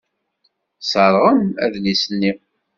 Sserɣen adlis-nni.